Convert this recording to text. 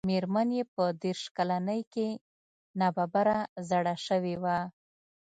مېرمن يې په دېرش کلنۍ کې ناببره زړه شوې وه.